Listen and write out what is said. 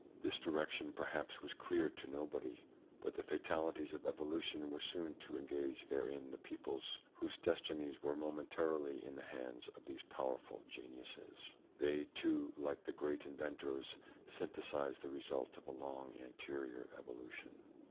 This direction, perhaps, was clear to nobody, but the fatalities of evolution were soon to engage therein the peoples whose destinies were momentarily in the hands of these powerful geniuses. They, too, like the great inventors, synthesise the results of a long anterior evolution.